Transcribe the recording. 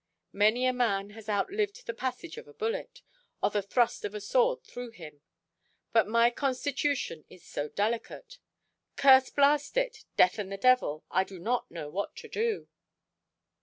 Many a man has outlived the passage of a bullet, or the thrust of a sword through him. But my constitution is so delicate! Curse blast it, death and the devil, I do not know what to do."